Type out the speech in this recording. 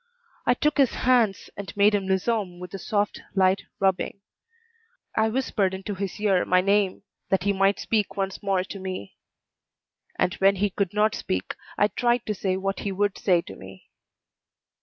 I took his hands, and made them lissome with a soft, light rubbing. I whispered into his ear my name, that he might speak once more to me; and when he could not speak, I tried to say what he would say to me.